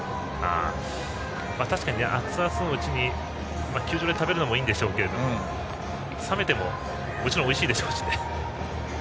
確かに、熱々のうちに球場で食べるのもいいですが冷めてももちろんおいしいでしょうしね。